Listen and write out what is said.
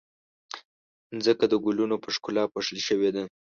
ځمکه د ګلونو په ښکلا پوښل شوې ده.